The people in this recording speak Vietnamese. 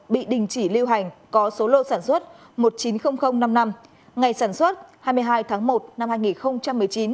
bị đình chỉ lưu hành có số lô sản xuất một trăm chín mươi nghìn năm mươi năm ngày sản xuất hai mươi hai tháng một năm hai nghìn một mươi chín